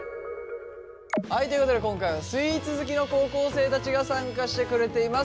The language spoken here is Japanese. はいということで今回はスイーツ好きの高校生たちが参加してくれています。